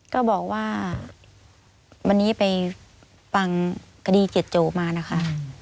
ก็บอกว่าวันนี้ไปฟังคดีเจ็ดโจมานะคะ